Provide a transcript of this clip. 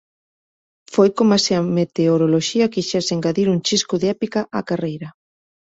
Foi coma se a meteoroloxía quixese engadir un chisco de épica á carreira.